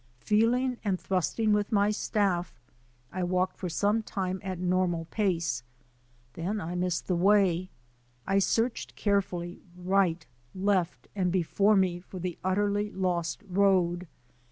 Feeling and thrusting with my staff, I walked for some time at normal pace. Then I missed the way. I searched care fully, right, left, and before me for the utterly lost road.